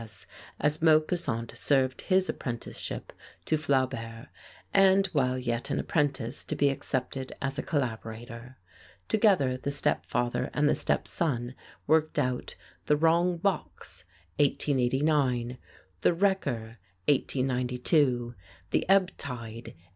S., as Maupassant served his apprenticeship to Flaubert, and, while yet an apprentice, to be accepted as a collaborator. Together the stepfather and the stepson worked out "The Wrong Box" (1889), "The Wrecker" (1892), and "The Ebb Tide" (1894).